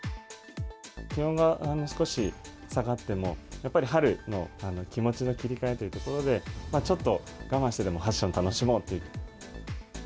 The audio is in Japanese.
気温が少し下がっても、やっぱり春の気持ちの切り替えというところで、ちょっと我慢してでもファッションを楽しもうと。